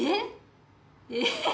えっ！？